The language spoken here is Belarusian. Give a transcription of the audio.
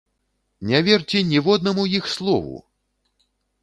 Не верце ніводнаму іх слову!